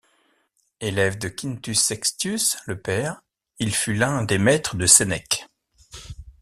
Élève de Quintus Sextius le Père, il fut l'un des maîtres de Sénèque.